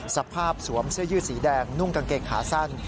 สวมเสื้อยืดสีแดงนุ่งกางเกงขาสั้น